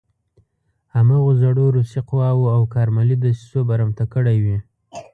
هماغو زړو روسي قواوو او کارملي دسیسو برمته کړی وي.